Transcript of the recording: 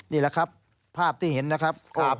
นี่แหละครับภาพที่เห็นนะครับ